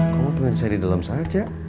kamu pengen saya di dalam saja